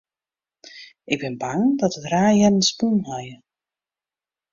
Ik bin bang dat it raar jern spûn hie.